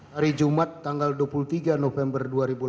hari jumat tanggal dua puluh tiga november dua ribu delapan belas